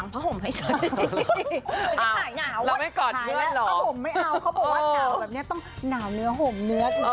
นาวไหมกอดกัน